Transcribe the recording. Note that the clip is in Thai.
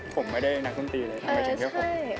ผมไม่ได้นักธุรกิจเลยทำไมจังเกี่ยวกับผม